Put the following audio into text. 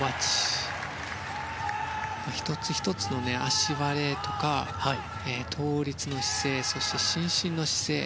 １つ１つの足割れとか倒立の姿勢そして、伸身の姿勢。